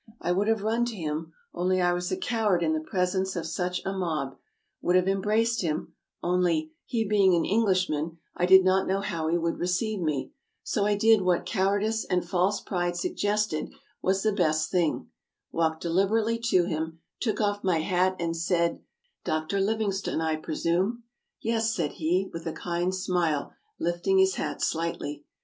I would have run to him, only I was a coward in the presence of such a mob — would have embraced him, only, he being 336 TRAVELERS AND EXPLORERS an Englishman, I did not know how he would receive me; so I did what cowardice and false pride suggested was the best thing — walked deliberately to him, took off my hat, and said :'' Dr. Livingstone, I presume ?"" Yes, '' said he, with a kind smile, lifting his hat slightly.